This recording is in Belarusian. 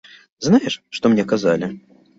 Знаеш, што мне казалі?